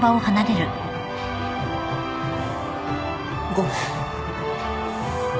ごめん。